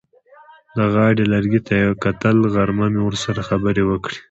د غاړې لرګي ته یې کتل: غرمه مې ورسره خبرې وکړې.